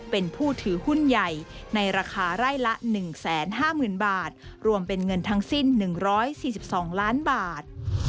เป็นผู้ถือหุ้นใหญ่ในราคาไร่ละ๑๕๐๐๐บาทรวมเป็นเงินทั้งสิ้น๑๔๒ล้านบาท